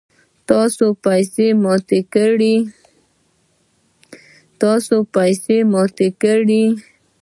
تاسو پیسی ماتی کړئ